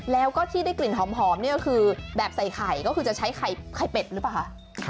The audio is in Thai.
แล้วก็ที่ได้กลิ่นหอมคือแบบใส่ไข่ใช้ไข่เป็ดรึเปล่าคะ